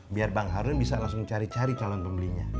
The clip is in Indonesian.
biar bang harun bisa langsung cari cari calon pembelinya